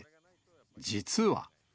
実は。